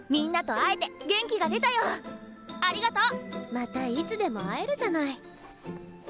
またいつでも会えるじゃない。